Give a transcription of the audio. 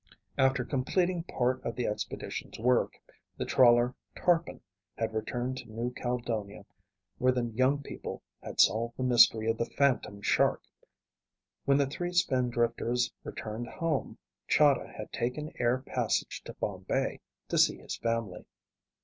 After completing part of the expedition's work, the trawler Tarpon had returned to New Caledonia where the young people had solved the mystery of The Phantom Shark. When the three Spindrifters returned home, Chahda had taken air passage to Bombay to see his family.